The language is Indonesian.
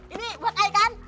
ini buat ai kan